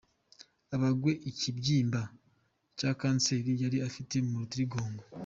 abagwe ikibyimba cya cancer yari afite mu rutirigongo.